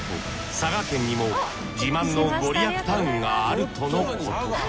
佐賀県にも自慢のご利益タウンがあるとのこと。